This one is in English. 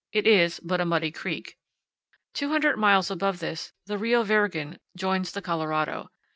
It is but a muddy creek. Two hundred miles above this the Rio Virgen joins the Colorado.